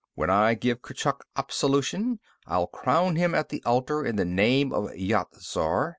When I give Kurchuk absolution, I'll crown him at the altar in the name of Yat Zar.